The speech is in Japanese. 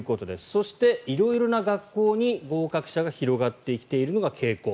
そして、色々な学校に合格者が広がってきているのが傾向。